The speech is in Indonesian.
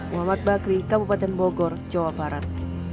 muhammad bakri kabupaten bogor jawa barat